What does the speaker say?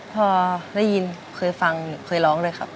พอได้ยินเคยฟังเคยร้องด้วยครับ